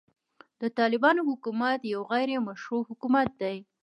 د طالبانو حکومت يو غيري مشروع حکومت دی.